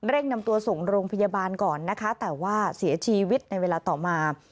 นำตัวส่งโรงพยาบาลก่อนนะคะแต่ว่าเสียชีวิตในเวลาต่อมา